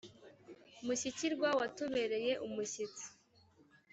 mushyikirwa watubereye umushyitsi